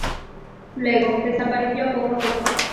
Luego desapareció poco a poco.